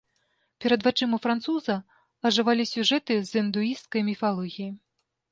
Перад вачыма француза ажывалі сюжэты з індуісцкай міфалогіі.